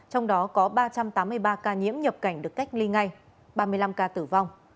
trong đó có ba trăm tám mươi ba ca nhiễm nhập cảnh được cách ly ngay ba mươi năm ca tử vong